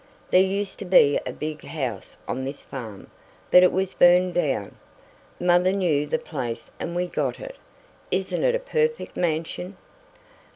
"There used to be a big house on this farm, but it was burned down. Mother knew the place and we got it. Isn't it a perfect mansion?